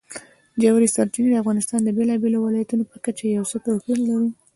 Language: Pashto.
ژورې سرچینې د افغانستان د بېلابېلو ولایاتو په کچه یو څه توپیر لري.